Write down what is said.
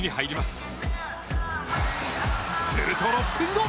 すると６分後。